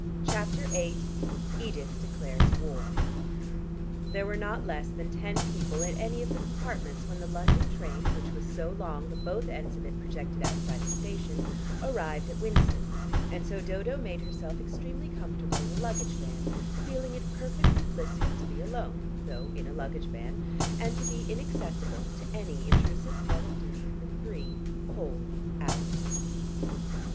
CHAPTER VIII EDITH DECLARES WAR There were not less than ten people in any of the compartments when the London train, which was so long that both ends of it projected outside the station, arrived at Winston, and so Dodo made herself extremely comfortable in the luggage van, feeling it perfectly blissful to be alone (though in a luggage van) and to be inaccessible to any intrusive call of duty for three whole hours.